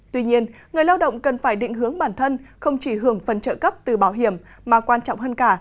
tuy nhiên người lao động cần phải định hướng bản thân không chỉ hưởng phần trợ cấp từ bảo hiểm mà quan trọng hơn cả